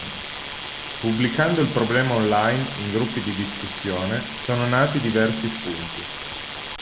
Pubblicando il problema online, in gruppi di discussione, sono nati diversi spunti.